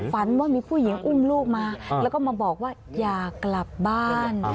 ฝันว่ามีผู้หญิงอุ้มลูกมาแล้วก็มาบอกว่าอยากกลับบ้าน